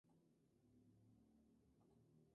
Habitan las regiones costeras de Nueva Zelanda.